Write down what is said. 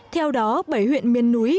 theo đó bảy huyện miền núi